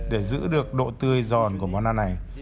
để giữ được độ tươi giòn của món ăn này